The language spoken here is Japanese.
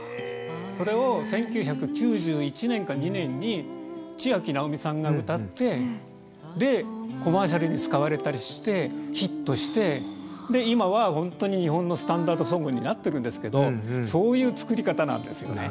それを１９９１年か２年にちあきなおみさんが歌ってでコマーシャルに使われたりしてヒットしてで今は本当に日本のスタンダード・ソングになってるんですけどそういう作り方なんですよね。